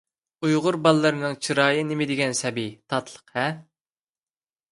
ئۇيغۇر بالىلىرىنىڭ چىرايى نېمىدېگەن سەبىي، تاتلىق-ھە!